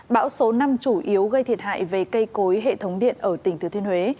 bão số năm chủ yếu gây thiệt hại về cây cối hệ thống điện ở tỉnh thừa thiên huế